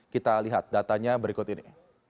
kita lihat datanya berikut ini